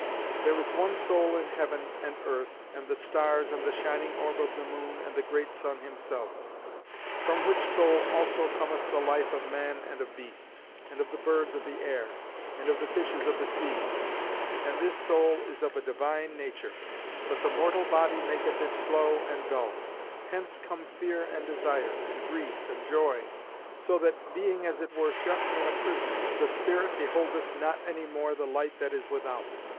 There is one soul in heaven and earth and the stars and the shining orb of the moon and the great sun himself; from which soul also cometh the life of man and of beast, and of the birds of the air, and of the fishes of the sea. And this soul is of a divine nature, but the mortal body maketh it slow and dull. Hence come fear and desire, and grief and joy, so that, being as it were shut in a prison, the spirit beholdeth not any more the light that is without.